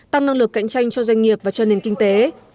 tăng năng lực cạnh tranh cho doanh nghiệp và cho nền kinh tế